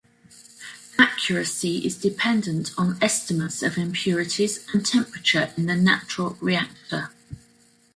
Accuracy is dependent on estimates of impurities and temperature in the natural reactor.